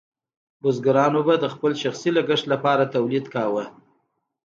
بزګرانو به د خپل شخصي لګښت لپاره تولید کاوه.